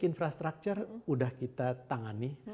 infrastruktur sudah kita tangani